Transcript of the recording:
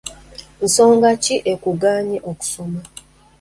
Nsonga ki ekuganye okusoma?